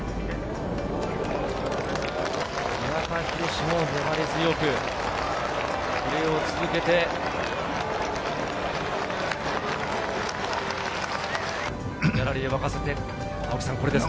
岩田寛も粘り強くプレーを続けて、ギャラリーを沸かせて、これです。